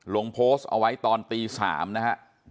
ลงโพสต์เอาไว้ตอนตีสามนะฮะ